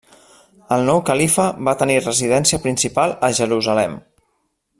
El nou califa va tenir residència principal a Jerusalem.